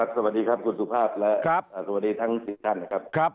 สวัสดีครับคุณสุภาพครับสวัสดีทั้งที่ด้านครับ